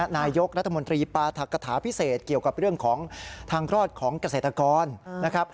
นายกรัฐมนตรีปราธกฐาพิเศษเกี่ยวกับเรื่องของทางรอดของเกษตรกรนะครับ